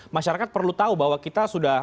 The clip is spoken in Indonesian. masyarakat perlu tahu bahwa kita sudah